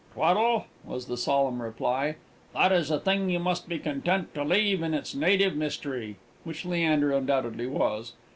"Tweddle," was the solemn reply, "that is a thing you must be content to leave in its native mystery" (which Leander undoubtedly was).